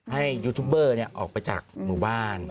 ยูทูบเบอร์ออกไปจากหมู่บ้าน